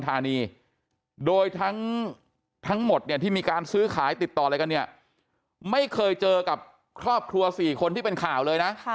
ที่มีการซื้อขายติดต่อไม่เคยเจอกับครอบครัว๔คนที่เป็นข่าวเลยนะ